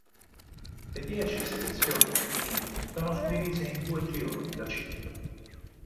Le dieci selezioni femminili sono suddivise in due gironi da cinque.